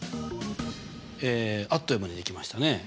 あっという間に出来ましたね。